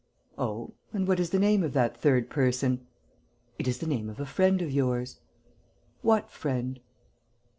"Oh? And what is the name of that third person?" "It is the name of a friend of yours." "What friend?"